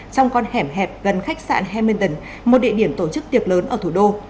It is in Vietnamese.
trong con hẻm hẹp gần khách sạn hementon một địa điểm tổ chức tiệc lớn ở thủ đô